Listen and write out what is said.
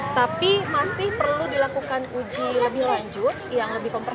tapi masih perlu dilakukan uji lebih lanjut yang lebih kompleks